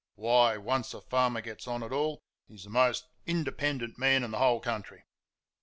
"Why, once a farmer gets on at all he's the most independent man in the whole country."